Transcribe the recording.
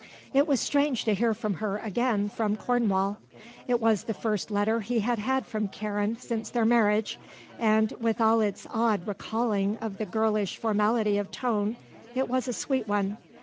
It was strange to hear from her again, from Cornwall. It was the first letter he had had from Karen since their marriage and, with all its odd recalling of the girlish formality of tone, it was a sweet one.